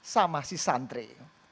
sama si santri